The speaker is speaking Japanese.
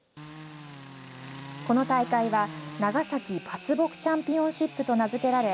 この大会はながさき伐木チャンピオンシップと名付けられ